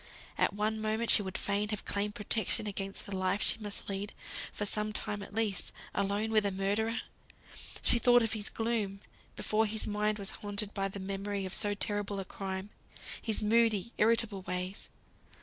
At one moment she would fain have claimed protection against the life she must lead, for some time at least, alone with a murderer! She thought of his gloom, before his mind was haunted by the memory of so terrible a crime; his moody, irritable ways.